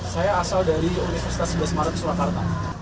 saya asal dari universitas sebelas maret surakarta